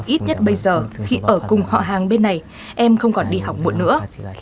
ít nhất bây giờ khi ở cùng họ hàng bên này em không còn đi học muộn nữa